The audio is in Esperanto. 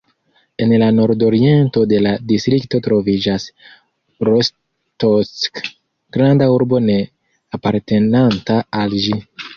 En la nordoriento de la distrikto troviĝis Rostock, granda urbo ne apartenanta al ĝi.